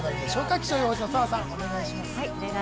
気象予報士の澤さん、お願いします。